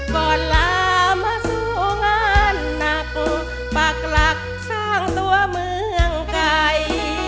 ก่อนลามาสู่งานหนักปากหลักสร้างตัวเมืองไก่